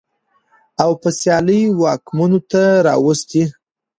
او په سيالۍ واکمنو ته راوستې.